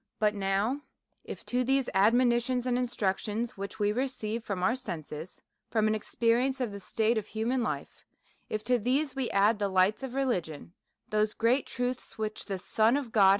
But now, if to these admonitions and instructions, which we receive from our senses, from an experience of the state of human life ; if to these we add the lights of religion, those great truths which the Son of God DEVOUT AND HOLY LIFE.